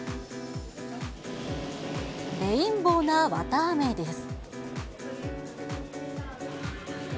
レインボーなわたあめです。